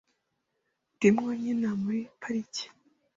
Ndimo nkina muri parike .